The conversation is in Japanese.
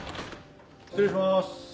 失礼します。